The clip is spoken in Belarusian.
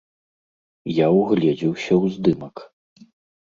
Я ўгледзеўся ў здымак.